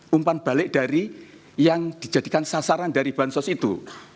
umpan balik dari yang dijadikan sasaran dari bansos itu